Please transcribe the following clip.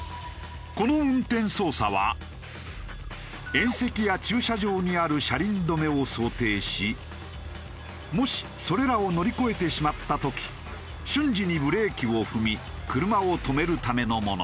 縁石や駐車場にある車輪止めを想定しもしそれらを乗り越えてしまった時瞬時にブレーキを踏み車を止めるためのもの。